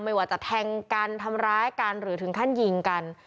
ไม่ว่าจะแทงกันทำร้ายกันหรือถึงขั้นยิงกัน